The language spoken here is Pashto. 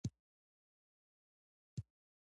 نفت د افغانستان د تکنالوژۍ پرمختګ سره تړاو لري.